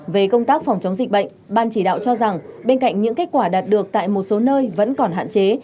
về công tác phòng chống dịch bệnh ban chỉ đạo cho rằng bên cạnh những kết quả đạt được tại một số nơi vẫn còn hạn chế